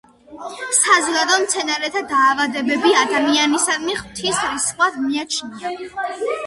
საზოგადოდ, მცენარეთა დაავადებები ადამიანისადმი „ღვთის რისხვად“ მიაჩნდათ.